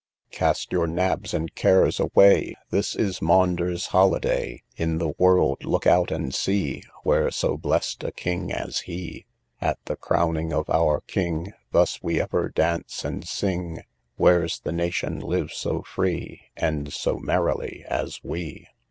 Cast your nabs {58a} and cares away, This is Maunders' holiday; In the world look out and see, Where so blest a king as he! {58b} II. At the crowning of our king, Thus we ever dance and sing; Where's the nation lives so free, And so merrily as we!